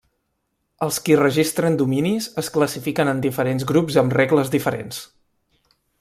Els qui registren dominis es classifiquen en diferents grups amb regles diferents.